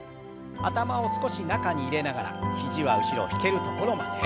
頭を少し中に入れながら肘は後ろ引けるところまで。